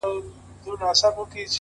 • د ساړه ژمي شپې ظالمي توري,